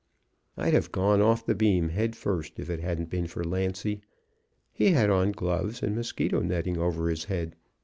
"I'd have gone off the beam head first if it hadn't been for Lancy. He had on gloves, and mosquito netting over his head.